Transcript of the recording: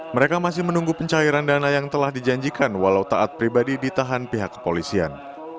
mereka masih menunggu pencairan dana yang telah dijanjikan walau taat pribadi ditahan pihak kepolisian